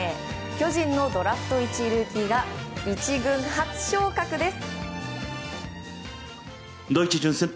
巨人のドラフト１位ルーキーが１軍初昇格です。